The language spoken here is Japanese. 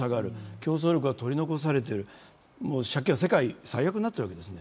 競争力は取り残されてる、借金は世界最悪になってるわけですね。